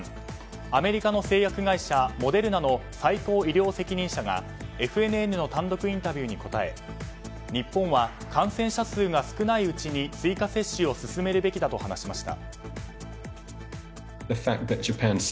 アメリカの製薬会社モデルナの最高医療責任者がＦＮＮの単独インタビューに答え日本は感染者数が少ないうちに追加接種を進めるべきだと話しました。